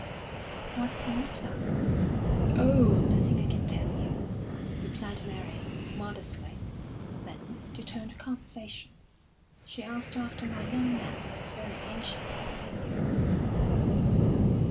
"What's the matter?" "Oh, nothing I can tell you," replied Mary, modestly. Then, to turn the conversation: "She asked after my young man, and was very anxious to see you."